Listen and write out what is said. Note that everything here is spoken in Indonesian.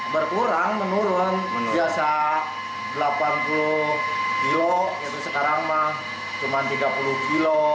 berkurang menurun biasa delapan puluh kilo sekarang mah cuma tiga puluh kilo